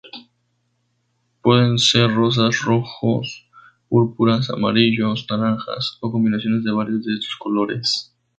Pueden ser rosas, rojos, púrpuras, amarillos, naranjas o combinaciones de varios de estos colores.